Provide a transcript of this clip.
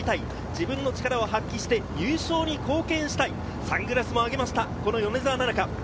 自分の力を発揮して優勝に貢献したい、サングラスも上げました、米澤奈々香。